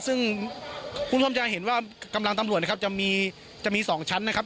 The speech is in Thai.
ซึ่งคุณผู้ชมจะเห็นว่ากำลังตำรวจนะครับจะมีจะมี๒ชั้นนะครับ